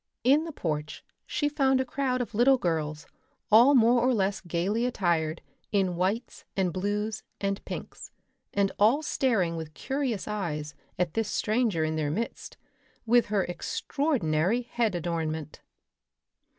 In the porch she found a crowd of little girls, all more or less gaily attired in whites and blues and pinks, and all staring with curious eyes at this stranger in their midst, with her extraordinary head adornment.